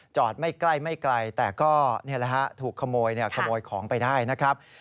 จอดไม่ใกล้แต่ก็นี่แหละฮะถูกขโมยของไปได้นะครับ